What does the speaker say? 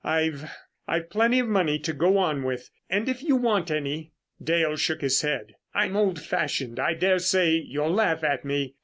I've—I've plenty of money to go on with, and if you want any——" Dale shook his head. "I'm old fashioned, I daresay you'll laugh at me.